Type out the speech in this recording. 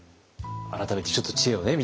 改めてちょっと知恵をね